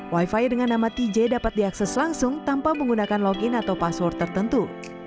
wifi dengan nama tj dapat diakses langsung tanpa menggunakan login atau password tertentu